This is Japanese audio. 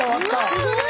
すごい！